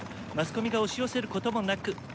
魔スコミが押し寄せることもなく！